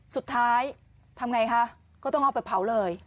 สุดท้ายทำอย่างไรคะก็ต้องเอาไปเผาเลย